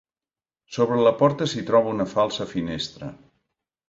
Sobre la porta s'hi troba una falsa finestra.